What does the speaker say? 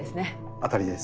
当たりです。